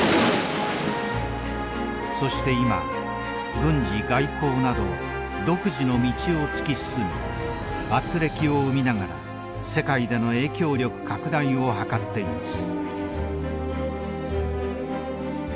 そして今軍事外交など独自の道を突き進みあつれきを生みながら世界での影響力拡大を図っています。